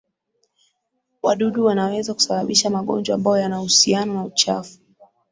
Wdudu wanaweza kusabababisha magonjwa ambayo yana uhusiano na uchafu